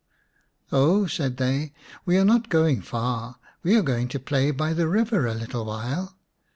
" Oh," said they, " we are hot going far ; we are going to play by the river a little while."